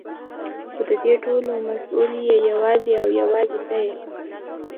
خو ددې ټولو مسؤل يې يوازې او يوازې ته يې.